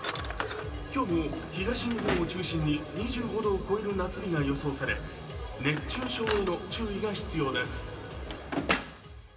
今日も東日本を中心に２５度を超える夏日が予想され熱中症への注意が必要です。